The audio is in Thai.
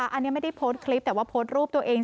อันนี้ไม่ได้โพสต์คลิปแต่ว่าโพสต์รูปตัวเอง